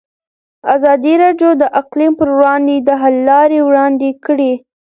ازادي راډیو د اقلیم پر وړاندې د حل لارې وړاندې کړي.